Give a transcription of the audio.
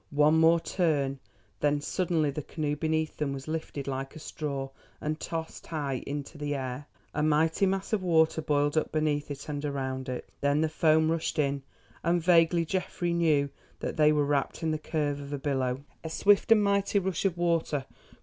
One more turn, then suddenly the canoe beneath them was lifted like a straw and tossed high into the air. A mighty mass of water boiled up beneath it and around it. Then the foam rushed in, and vaguely Geoffrey knew that they were wrapped in the curve of a billow. A swift and mighty rush of water.